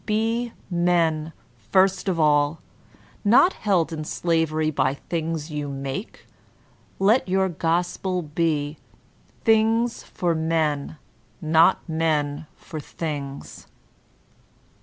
Be men first of all, not held in slavery by the things you make; let your gospel be, ''Things for men, not men for things."